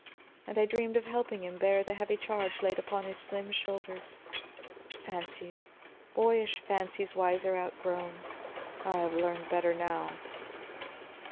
And I dreamed of helping him bear the heavy charge laid upon his slim shoulders. Fancies, boyish fancies wiser outgrown; I have learned better now."